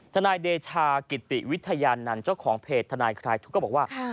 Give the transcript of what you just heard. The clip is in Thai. นายเดชากิติวิทยานันต์เจ้าของเพจทนายคลายทุกข์ก็บอกว่า